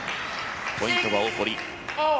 ポイント、大堀。